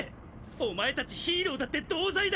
お前たちヒーローだって同罪だ！